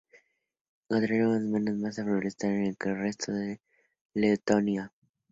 Encontramos menos masa forestal que en el resto de Letonia.